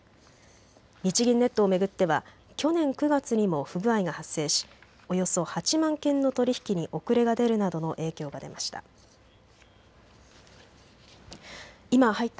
日銀ネットを巡っては去年９月にも不具合が発生しおよそ８万件の取り引きに遅れが出るなどの影響が出ました。